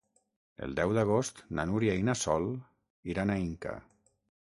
El deu d'agost na Núria i na Sol iran a Inca.